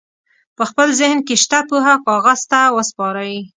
په خپل ذهن کې شته پوهه کاغذ ته وسپارئ.